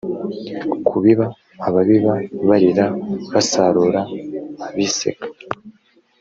kubiba ababiba barira basarura abseka